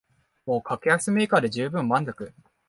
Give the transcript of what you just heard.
もう格安メーカーでじゅうぶん満足